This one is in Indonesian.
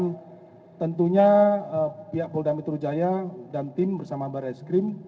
dan tentunya pihak polda mitrujaya dan tim bersama baris